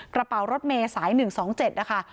กระเป๋ารถเมย์สาย๑๒๗นะคะ